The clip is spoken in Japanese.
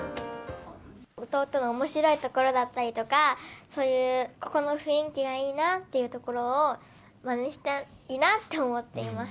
弟のおもしろいところだったりとか、そういうここの雰囲気がいいなっていうところを、まねしたいなって思っています。